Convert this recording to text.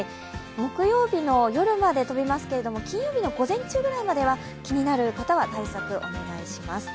木曜日の夜まで飛びますけれども、金曜日の午前中くらいまでは気になる方は対策、お願いします。